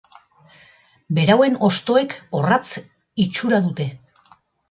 Berauen hostoek orratz itxura dute.